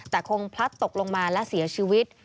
แต่คงพลัดตกลงมาและเสียชีวิต